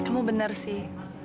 cuma kamu benar sih